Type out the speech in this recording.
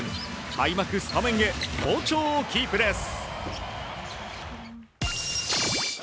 開幕スタメンへ好調をキープです。